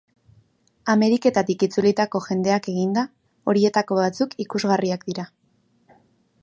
Ameriketatik itzulitako jendeak eginda, horietako batzuk ikusgarriak dira.